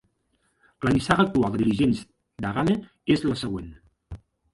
La nissaga actual de dirigents d'Agame és la següent.